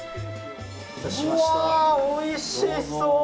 うわおいしそう！